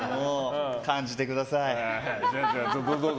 感じてください。